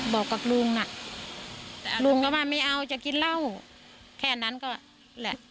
บอกกับลุงน่ะลุงก็ว่าไม่เอาจะกินเหล้าแค่นั้นก็แหละ